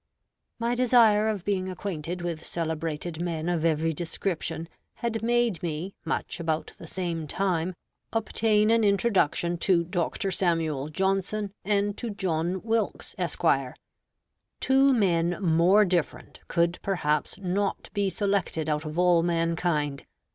My desire of being acquainted with celebrated men of every description had made me, much about the same time, obtain an introduction to Dr. Samuel Johnson and to John Wilkes, Esq. Two men more different could perhaps not be selected out of all mankind.